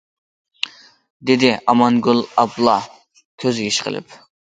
دېدى ئامانگۈل ئابلا كۆز يېشى قىلىپ.